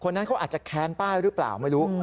นั้นเขาอาจจะแค้นป้ายหรือเปล่าไม่รู้